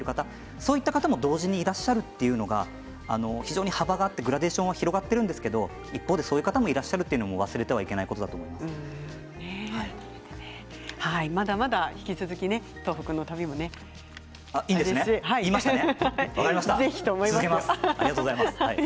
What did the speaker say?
そういう方も同時にいらっしゃるというのは非常に幅があってグラデーション広がっているんですけれど一方でそういう方がいらっしゃる忘れてはいけないことだとまだまだ引き続き東北の旅ありましたね。